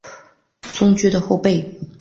松驹的后辈。